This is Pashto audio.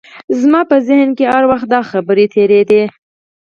زما په ذهن کې هر وخت دغه خبرې تېرېدې